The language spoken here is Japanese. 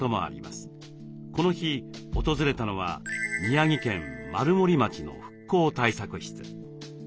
この日訪れたのは宮城県丸森町の復興対策室。